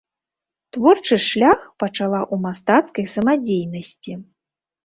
Творчы шлях пачала ў мастацкай самадзейнасці.